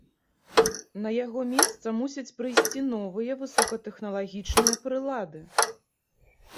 На яго месца мусяць прыйсці новыя высокатэхналагічныя прылады.